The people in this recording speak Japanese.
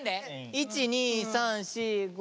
１２３４５。